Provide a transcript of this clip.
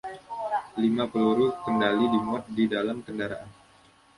Lima peluru kendali dimuat di dalam kendaraan.